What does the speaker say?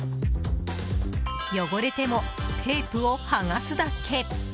汚れても、テープを剥がすだけ。